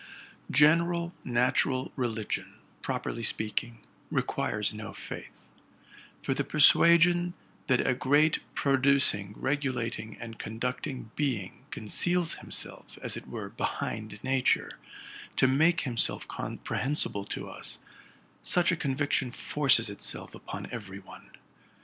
General, natural religion, properly speaking, requires no faith ; for the persuasion that a great producing, regulating, and conducting Being conceals himself, as it were, behind Nature, to make himself comprehensible to us — such a con viction forces itself upon every one.